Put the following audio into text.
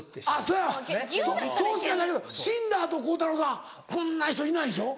そやわそうしかないけど死んだ後鋼太郎さんこんな人いないでしょ？